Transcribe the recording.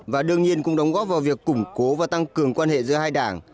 và đương nhiên cũng đóng góp vào việc củng cố và tăng cường quan hệ giữa hai đảng